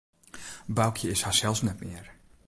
Boukje is harsels net mear.